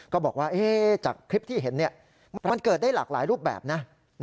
ก็บอกว่าจากคลิปที่เห็นมันเกิดได้หลากหลายรูปแบบนะ